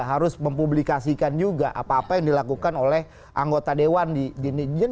harus mempublikasikan juga apa apa yang dilakukan oleh anggota dewan di di di di